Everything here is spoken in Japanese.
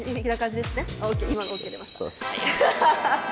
今のＯＫ出ました。